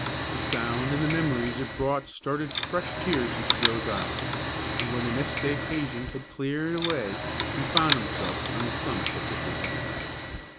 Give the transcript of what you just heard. The sound and the memories it brought started fresh tears into Joe's eyes, and when the mist they occasioned had cleared away he found himself on the summit of Hickory Hill.